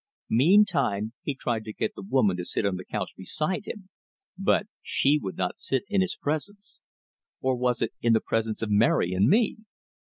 Meantime he tried to get the woman to sit on the couch beside him; but she would not sit in his presence or was it in the presence of Mary and me?